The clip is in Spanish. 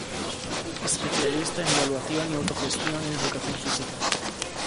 Especialista en evaluación y autogestión en educación física.